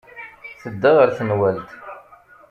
Tedda ɣer tenwalt.